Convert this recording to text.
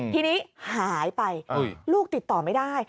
ทีนี้หายไปลูกติดต่อไม่ได้